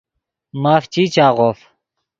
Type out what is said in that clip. ماف چی چاغوف